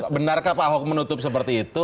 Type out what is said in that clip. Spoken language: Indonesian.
benarkah pak ahok menutup seperti itu